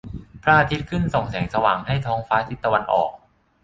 พระอาทิตย์ขึ้นส่องแสงสว่างให้ท้องฟ้าทิศตะวันออก